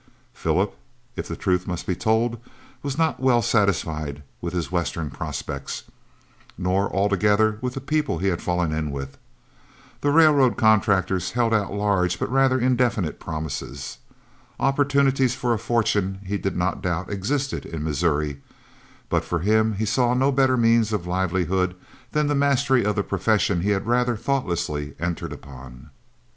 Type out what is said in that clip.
Philip, if the truth must be told, was not well satisfied with his western prospects, nor altogether with the people he had fallen in with. The railroad contractors held out large but rather indefinite promises. Opportunities for a fortune he did not doubt existed in Missouri, but for himself he saw no better means for livelihood than the mastery of the profession he had rather thoughtlessly entered upon.